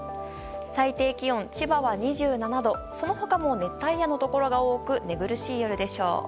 最低気温、千葉は２７度その他も熱帯夜のところが多く寝苦しい夜でしょう。